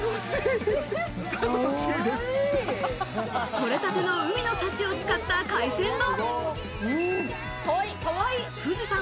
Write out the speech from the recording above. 取れたての海の幸を使った海鮮丼。